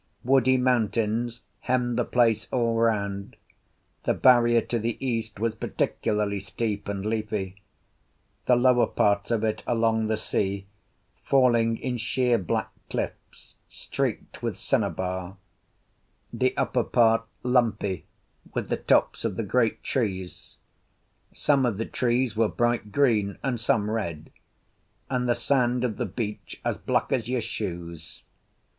Woody mountains hemmed the place all round; the barrier to the east was particularly steep and leafy, the lower parts of it, along the sea, falling in sheer black cliffs streaked with cinnabar; the upper part lumpy with the tops of the great trees. Some of the trees were bright green, and some red, and the sand of the beach as black as your shoes.